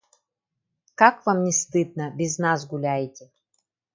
Как вам не стыдно, без нас гуляете